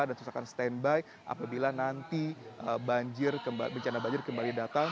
dan terus akan standby apabila nanti bencana banjir kembali datang